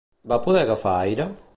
Va poder agafar aire?